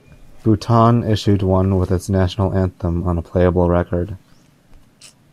Bhutan issued one with its national anthem on a playable record.